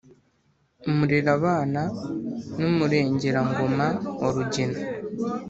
umurerabana n' umurengerangoma wa rugira,